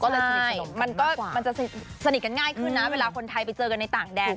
มันก็สนิทกันง่ายขึ้นนะเวลาคนไทยไปเจอกันในต่างแดด